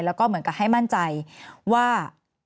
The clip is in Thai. แล้วก็เหมือนกับให้มั่นใจว่า